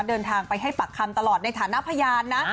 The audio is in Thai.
เดินทางไปให้ปากคำตลอดในฐานะพยานนะ